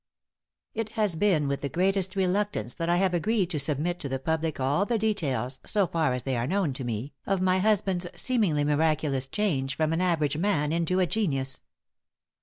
It has been with the greatest reluctance that I have agreed to submit to the public all the details, so far as they are known to me, of my husband's seemingly miraculous change from an average man into a genius.